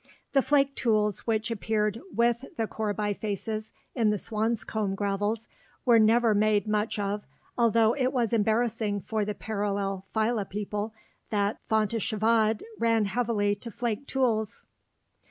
The flake tools which appeared with the core bifaces in the Swanscombe gravels were never made much of, although it was embarrassing for the parallel phyla people that Fontéchevade ran heavily to flake tools.